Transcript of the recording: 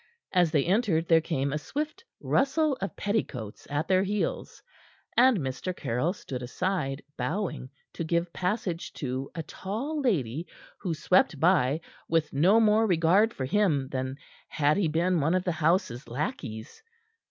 As they entered there came a swift rustle of petticoats at their heels, and Mr. Caryll stood aside, bowing, to give passage to a tall lady who swept by with no more regard for him than had he been one of the house's lackeys.